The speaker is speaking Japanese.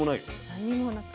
何にもなく。